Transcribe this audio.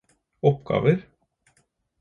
oppgaver